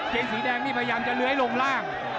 สีแดงนี่พยายามจะเลื้อยลงล่าง